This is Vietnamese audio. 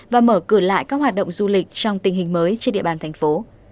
và mở cửa lại các hoạt động du lịch trong tình hình mới trên địa bàn thành phố